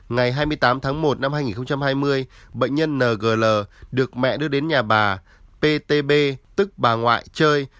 ngày hai mươi tám tháng một năm hai nghìn hai mươi bệnh nhân ngl được mẹ đưa đến nhà bà ptb tức bà ngoại chơi